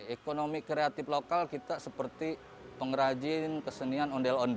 ekonomi kreatif lokal kita seperti pengrajin